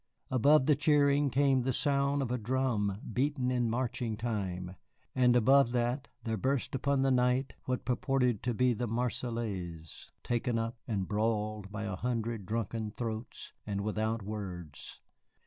Above the cheering came the sound of a drum beaten in marching time, and above that there burst upon the night what purported to be the "Marseillaise," taken up and bawled by a hundred drunken throats and without words.